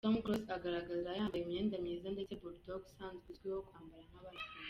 Tom Close agaragara yambaye imyenda myiza ndetse Bull Dog usanzwe uzwiho kwambara nk’abaraperi.